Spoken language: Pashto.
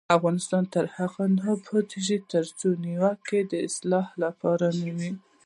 افغانستان تر هغو نه ابادیږي، ترڅو نیوکه د اصلاح لپاره نه وي.